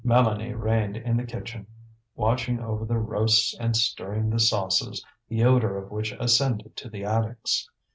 Mélanie reigned in the kitchen, watching over the roasts and stirring the sauces, the odour of which ascended to the attics.